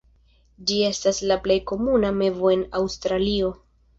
Ĝi estas la plej komuna mevo en Aŭstralio.